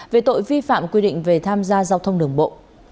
về tội vi phạm quy định về tham gia giao thông đường bộ